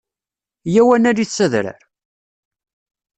Yya-w ad nalit s adrar!